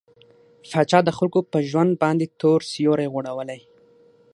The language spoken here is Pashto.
پاچا د خلکو په ژوند باندې تور سيورى غوړولى.